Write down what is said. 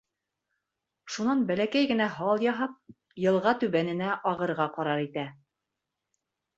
Шунан бәләкәй генә һал яһап, йылға түбәненә ағырға ҡарар итә.